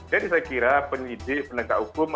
jadi saya kira penyidik penegak hukum